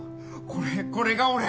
これこれが俺！